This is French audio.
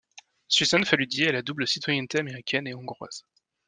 Susan Faludi a la double-citoyenneté américaine et hongroise.